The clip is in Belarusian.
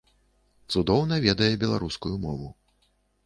Цудоўна ведае беларускую мову.